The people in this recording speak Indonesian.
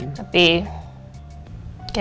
aku mau tidur